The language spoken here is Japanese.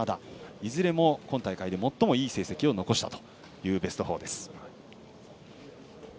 いずれも今大会で最もいい成績を残したというベスト４です。